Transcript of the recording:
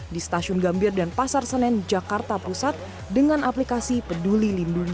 di stasiun gambir dan pasar senen jakarta pusat dengan aplikasi peduli lindungi